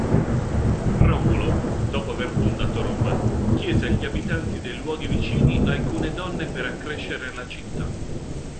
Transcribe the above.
Romolo, dopo aver fondato Roma, chiese agli abitanti dei luoghi vicini alcune donne per accrescere la città.